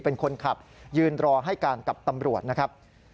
เป็นคนขับยืนรอให้การกับตำรวจนะครับ